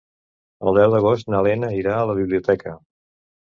El deu d'agost na Lena irà a la biblioteca.